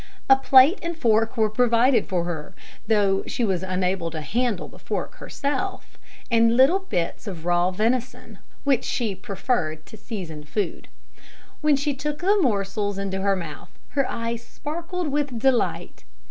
A plate and fork were provided for her, though she was unable to handle the fork herself; and little bits of raw venison, which she preferred to seasoned food. When she took the morsels into her mouth, her eyes sparkled with delight.